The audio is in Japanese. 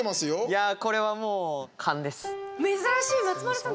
いや、これはもう珍しい！